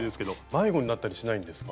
迷子になったりしないんですか？